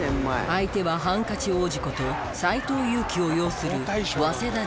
相手はハンカチ王子こと斎藤佑樹を擁する早稲田実業。